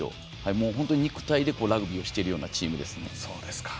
もう、本当に肉体でラグビーをしているようなチームですね。